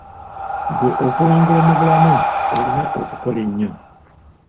Ggwe okuwangula mu bulamu, olina okukola ennyo.